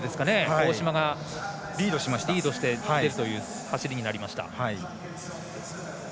大島がリードして出るという走りになりました。